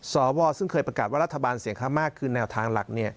สวซึ่งเคยประกาศว่ารัฐบาลเสียงข้างมากคือแนวทางหลัก